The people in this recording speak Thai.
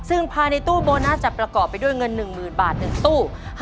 ซึ่งภายในตู้โบนัสจะประกอบไปด้วยเงิน๑๐๐๐บาท๑ตู้